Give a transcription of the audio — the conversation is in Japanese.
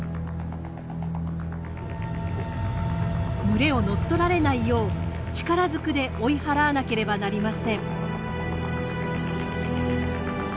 群れを乗っ取られないよう力ずくで追い払わなければなりません。